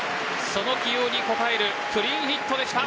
その起用に応えるクリーンヒットでした。